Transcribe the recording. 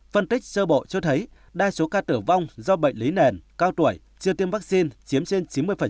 phân tích sơ bộ cho thấy đa số ca tử vong do bệnh lý nền cao tuổi chưa tiêm vaccine chiếm trên chín mươi